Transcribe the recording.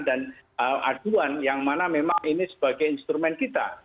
dan aduan yang mana memang ini sebagai instrumen kita